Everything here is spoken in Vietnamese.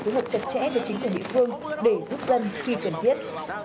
cứu hộp chặt chẽ với chính phủ địa phương để giúp dân khi cần thiết